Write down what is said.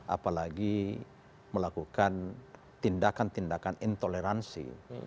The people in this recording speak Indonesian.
apalagi melakukan tindakan tindakan intoleransi